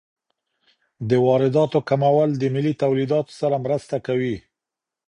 د وارداتو کمول د ملي تولیداتو سره مرسته کوي.